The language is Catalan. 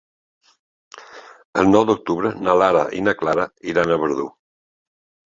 El nou d'octubre na Lara i na Clara iran a Verdú.